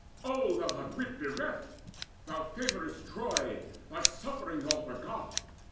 O, thou art wit bereft! Thou favourest Troy, thy sufferings all forgot.